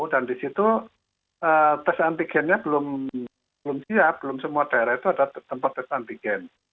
dan di situ tes antigennya belum siap belum semua daerah itu ada tempat tes antigen